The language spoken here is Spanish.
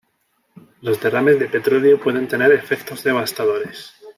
Los derrames de petróleo pueden tener efectos devastadores.